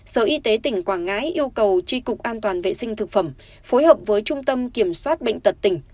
sở y tế tỉnh quảng ngãi yêu cầu tri cục an toàn vệ sinh thực phẩm phối hợp với trung tâm kiểm soát bệnh tật tỉnh